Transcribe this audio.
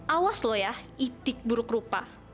awas loh ya itik buruk rupa